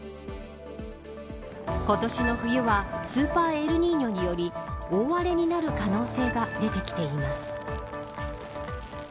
今年の冬はスーパーエルニーニョにより大荒れになる可能性が出てきています。